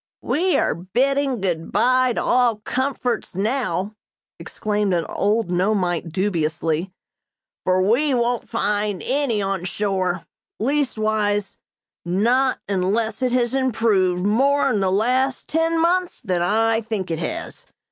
"We are bidding good bye to all comforts now!" exclaimed an old Nomeite dubiously, "for we won't find any on shore; leastwise not unless it has improved more in the last ten months than I think it has.